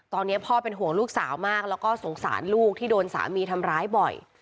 ตอนนี้พ่อเป็นห่วงลูกสาวมากแล้วก็สงสารลูกที่โดนสามีทำร้ายบ่อย